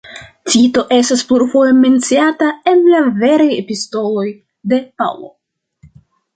Tito estas plurfoje menciata en la veraj epistoloj de Paŭlo.